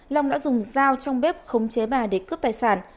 long đã dùng dao trong bếp khống chế bà để cướp tài sản